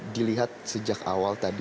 dilihat sejak awal tadi